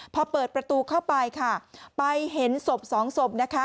พอเปิดประตูเข้าไปไปเห็นสบ๒สบ